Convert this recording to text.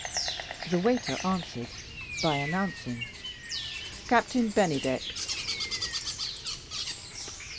The waiter answered by announcing: "Captain Bennydeck."